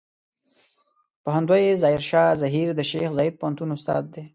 پوهندوی ظاهر شاه زهير د شیخ زايد پوهنتون استاد دی.